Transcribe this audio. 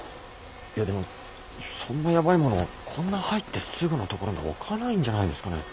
いやでもそんなやばいものをこんな入ってすぐの所に置かないんじゃないですかね？